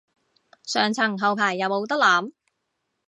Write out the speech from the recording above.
上層後排有冇得諗